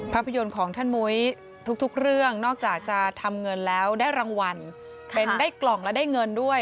ภาพยนตร์ของท่านมุ้ยทุกเรื่องนอกจากจะทำเงินแล้วได้รางวัลเป็นได้กล่องและได้เงินด้วย